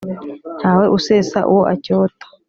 Ntawe usesa uwo acyota.